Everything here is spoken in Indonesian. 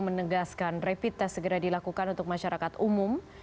menegaskan rapid test segera dilakukan untuk masyarakat umum